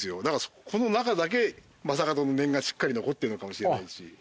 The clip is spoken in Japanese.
だからこの中だけ将門の念がしっかり残ってるかもしれないし。